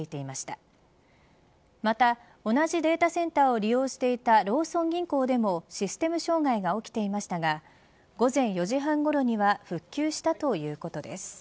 また、同じデータセンターを利用していたローソン銀行でもシステム障害が起きていましたが午前４時半ごろには復旧したということです。